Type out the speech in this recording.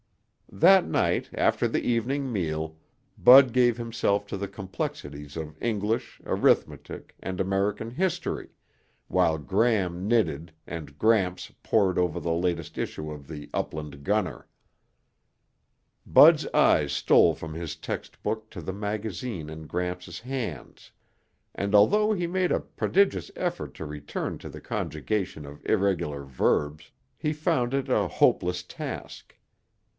That night, after the evening meal, Bud gave himself to the complexities of English, arithmetic and American history while Gram knitted and Gramps pored over the latest issue of The Upland Gunner. Bud's eyes stole from his textbook to the magazine in Gramps' hands, and although he made a prodigious effort to return to the conjugation of irregular verbs, he found it a hopeless task.